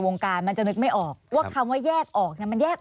วงการมันจะนึกไม่ออกว่าคำว่าแยกออกเนี่ยมันแยกออก